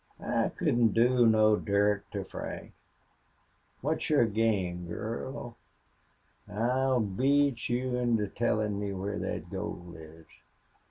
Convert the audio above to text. "I couldn't do no dirt to Frank.... What's your game, girl? I'll beat you into tellin' me where thet gold is."